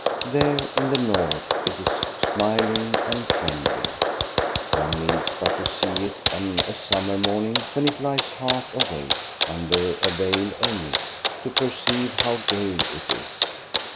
There, in the north, it is smiling and friendly; one needs but to see it on a summer morning, when it lies half awake under a veil of mist, to perceive how gay it is.